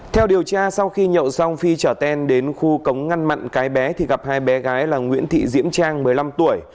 theo điều tra sau khi nhậu xong phi trở ten đến khu cống ngăn mặn cái bé thì gặp hai bé gái là nguyễn thị diễm trang một mươi năm tuổi